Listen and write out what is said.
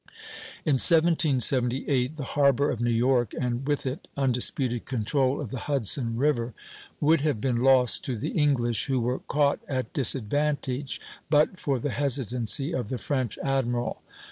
In 1778 the harbor of New York, and with it undisputed control of the Hudson River, would have been lost to the English, who were caught at disadvantage, but for the hesitancy of the French admiral.